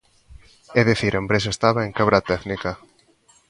É dicir, a empresa estaba en quebra técnica.